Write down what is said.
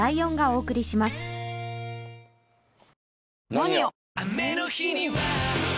「ＮＯＮＩＯ」！